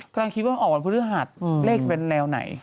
กำลังคิดว่าออกวันพฤหัสเลขจะเป็นแนวไหน